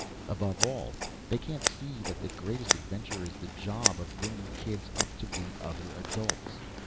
Above all, they can't see that the greatest adventure is the job of bringing kids up to be other adults.